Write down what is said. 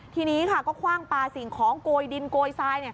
ทีนี้ค่ะก็คว่างปลาสิ่งของโกยดินโกยทราย